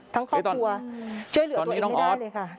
ทั้งครอบครัวเจ้าเหลือตัวเองได้เลยค่ะ